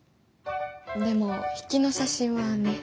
でも引きの写真はねっ？